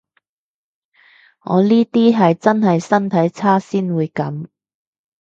我呢啲係真係身體差先會噉